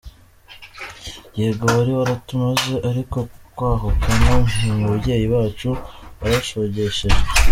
Yego wari waratumaze, ariko kwahuka no mu babyeyi bacu warashogesheje!